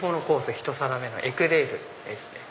１皿目のエクレールです。